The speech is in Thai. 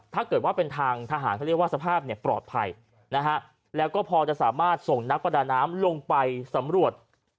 ถ้าเกิดว่าเป็นทางทหารเขาเรียกว่าสภาพเนี่ยปลอดภัยนะฮะแล้วก็พอจะสามารถส่งนักประดาน้ำลงไปสำรวจ